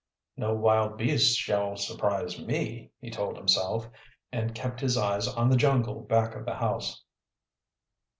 "No wild beast shall surprise me," he told himself, and kept his eyes on the jungle back of the house.